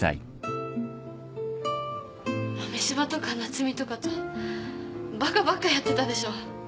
マメシバとか夏美とかとバカばっかやってたでしょ？